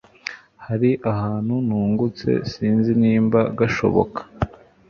hari akantu nungutse sinzi nimba gashoboka